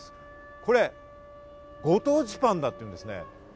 これ、ご当地パンだっていうんですね。